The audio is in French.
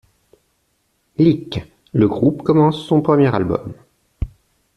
Iic, le groupe commence son premier album.